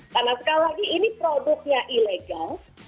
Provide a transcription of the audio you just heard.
karena sekali lagi ini produknya ilegal